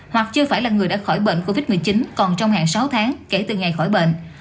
hoặc chưa phải là người đã khỏi bệnh covid một mươi chín còn trong hạn sáu tháng kể từ ngày khỏi bệnh